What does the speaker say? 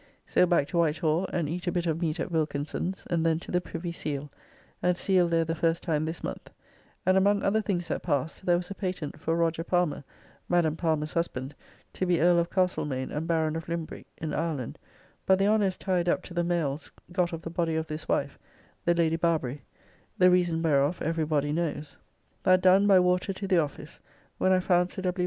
So back to Whitehall, and eat a bit of meat at Wilkinson's, and then to the Privy Seal, and sealed there the first time this month; and, among other things that passed, there was a patent for Roger Palmer (Madam Palmer's husband) to be Earl of Castlemaine and Baron of Limbricke in Ireland; but the honour is tied up to the males got of the body of this wife, the Lady Barbary: the reason whereof every body knows. That done, by water to the office, when I found Sir W.